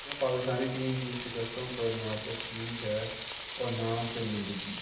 جنہیں پاکستانی ٹیم کی شکستوں پر نہ تشویش ہے اور نہ شرمندگی